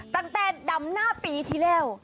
ตั้งแต่ดำหน้าปีที่แล้ว